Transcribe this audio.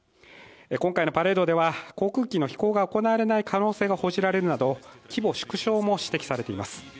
今回のパレードでは航空機の飛行が行われない可能性が報じられるなど規模縮小も指摘されています。